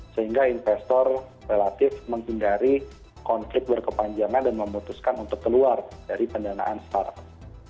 sehingga investor relatif menghindari konflik berkepanjangan dan memutuskan untuk keluar dari pendanaan startup